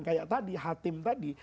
kayak tadi hatim tadi